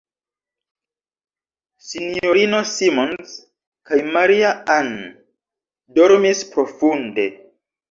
S-ino Simons kaj Maria-Ann dormis profunde.